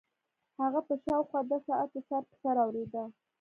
هغه به شاوخوا دوه ساعته سر په سر اورېده.